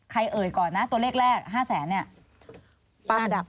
ใครเอ่ยก่อนนะตัวเลขแรก๕แสนเนี้ย